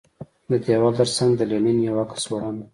د دېوال ترڅنګ یې د لینن یو عکس ځوړند و